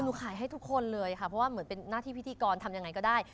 ขายให้ทุกคนเลยค่ะเพราะว่าเหมือนเป็นหน้าที่พิธีกรทำยังไงก็ได้